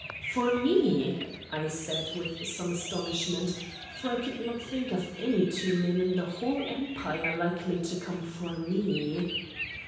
"For me?" I said, with some astonishment; for I could not think of any two men in the whole empire likely to come for me.